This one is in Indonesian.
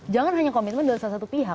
jangan hanya komitmen dari salah satu pihak